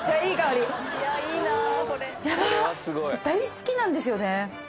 大好きなんですよね。